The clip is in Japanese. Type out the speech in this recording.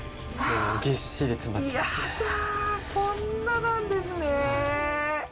嫌だこんななんですね。